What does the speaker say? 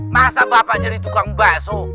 masa bapak jadi tukang bakso